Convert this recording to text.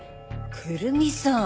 くるみさん。